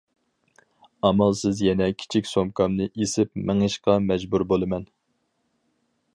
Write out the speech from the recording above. ئامالسىز يەنە كىچىك سومكامنى ئېسىپ مېڭىشقا مەجبۇر بولىمەن.